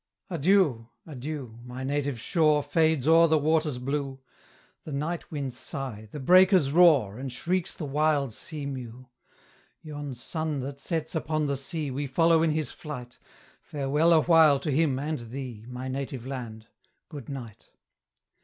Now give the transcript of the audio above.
Adieu, adieu! my native shore Fades o'er the waters blue; The night winds sigh, the breakers roar, And shrieks the wild sea mew. Yon sun that sets upon the sea We follow in his flight; Farewell awhile to him and thee, My Native Land Good Night!